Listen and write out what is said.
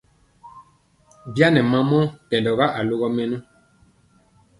Bi a nɛ mamɔ kɛndɔga alogɔ mɛnɔ.